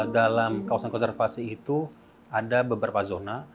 dalam kawasan konservasi itu ada beberapa zona